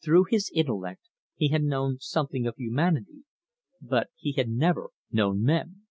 Through his intellect he had known something of humanity, but he had never known men.